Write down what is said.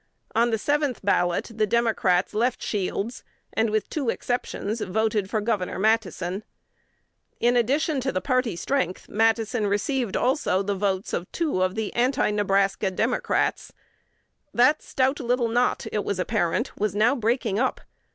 On the seventh ballot, the Democrats left Shields, and, with two exceptions, voted for Gov. Matte son. In addition to the party strength, Matteson received also the votes of two of the anti Nebraska Democrats. That stout little knot, it was apparent, was now breaking up.